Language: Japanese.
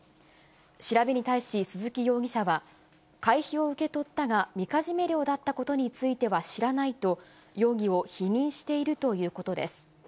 調べに対し鈴木容疑者は、会費を受け取ったが、みかじめ料だったことについては知らないと、容疑を否認しているということです。